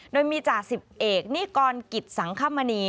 โดยมีจ่าสิบเอกนิกรกิจสังคมณี